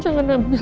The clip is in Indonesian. jangan ambil al